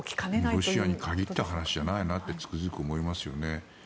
ロシアに限った話じゃないなってつくづく思いますよね。